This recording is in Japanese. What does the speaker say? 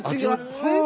はい。